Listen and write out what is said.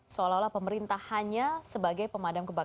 seolah olah pemerintah hanya sebagai pemadam kebakaran